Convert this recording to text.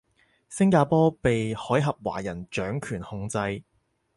星加坡被海峽華人掌權控制